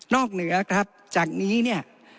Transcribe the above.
นอกเหนือจากนี้